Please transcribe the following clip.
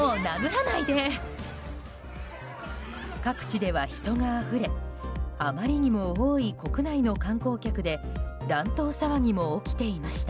各地では人があふれあまりにも多い国内の観光客で乱闘騒ぎも起きていました。